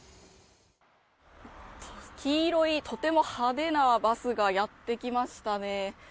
黄色いとても派手なバスがやってきましたね。